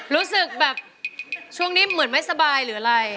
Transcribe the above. รู้สึกแบบช่วงนี้เหมือนไม่สบายหรืออะไร